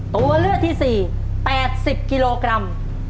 ตัวเลือกที่๔๘๐กิโลกรัม